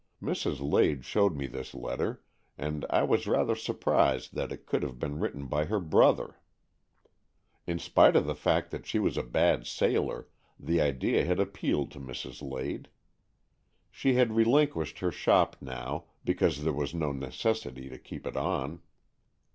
Mrs. Lade showed me this letter, and I was rather surprised that it could have been written by her brother. In spite of the fact that she was a bad sailor, the idea had appealed to Mrs. Lade. She had relin quished her shop now, because there was no necessity to keep it on.